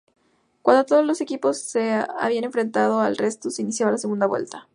Cuando todos los equipos se habían enfrentado al resto, se iniciaba la "segunda vuelta".